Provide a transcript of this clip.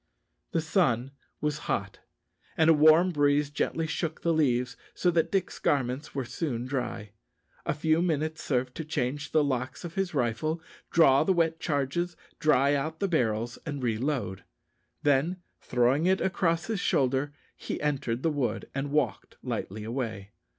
The sun was hot, and a warm breeze gently shook the leaves, so that Dick's garments were soon dry. A few minutes served to change the locks of his rifle, draw the wet charges, dry out the barrels, and re load. Then throwing it across his shoulder, he entered the wood and walked lightly away.